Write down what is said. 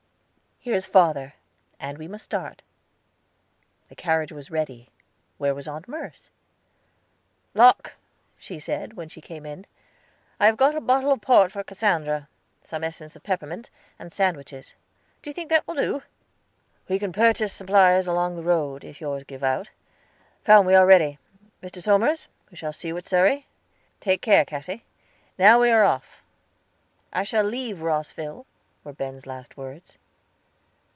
"Here is father, and we must start." The carriage was ready; where was Aunt Merce? "Locke," she said, when she came in, "I have got a bottle of port for Cassandra, some essence of peppermint, and sandwiches; do you think that will do?" "We can purchase supplies along the road, if yours give out. Come, we are ready. Mr. Somers, we shall see you at Surrey? Take care, Cassy. Now we are off." "I shall leave Rosville," were Ben's last words.